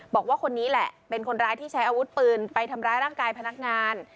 บอกว่าคนนี้แหละเป็นคนร้ายที่ใช้อาวุธปืนไปทำร้ายร่างกายพนักงาน